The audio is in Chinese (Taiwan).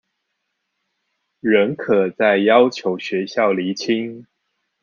仍可再要求學校釐清